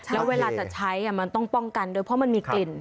แล้วเวลาจะใช้มันต้องป้องกันด้วยเพราะมันมีกลิ่น